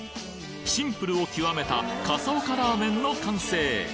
シンプルを極めた笠岡ラーメンの完成！